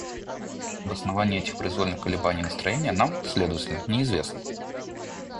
Обоснование этих произвольных колебаний настроения нам, следовательно, неизвестно.